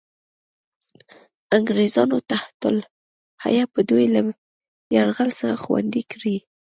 انګرېزانو تحت الحیه به دوی له یرغل څخه خوندي کړي.